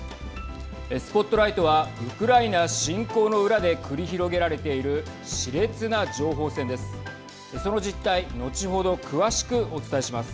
ＳＰＯＴＬＩＧＨＴはウクライナ侵攻の裏で繰り広げられているしれつな情報戦です。